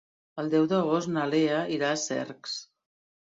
El deu d'agost na Lea irà a Cercs.